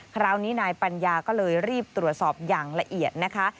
คราวนี้นายปัญญาก็เลยรีบตรวจสอบอย่างละเอียดนะคะ